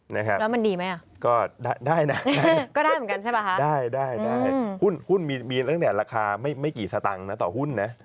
แล้วมันดีไหมอ่ะก็ได้นะได้หุ้นมีตั้งแต่ราคาไม่กี่สตางค์นะต่อหุ้นนะ